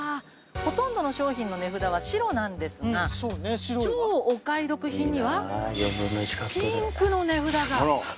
ほとんどの商品の値札は白なんですが超お買い得品にはピンクの値札が。